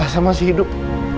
sama si hidup